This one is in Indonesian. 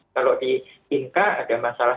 kalau di inka ada masalah